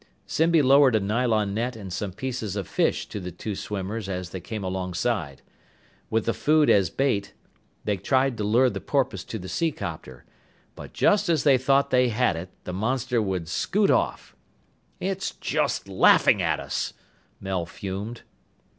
Zimby lowered a nylon net and some pieces of fish to the two swimmers as they came alongside. With the food as bait they tried to lure the porpoise to the seacopter. But just as they thought they had it, the monster would scoot off. "It's just laughing at us!" Mel fumed.